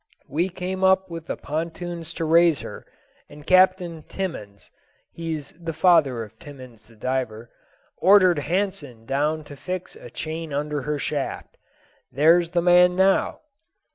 We came up with pontoons to raise her, and Captain Timmans (he's the father of Timmans the diver) ordered Hansen down to fix a chain under her shaft there's the man now."